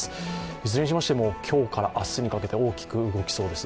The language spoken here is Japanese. いずれにしましても、今日から明日にかけて大きく動きそうです。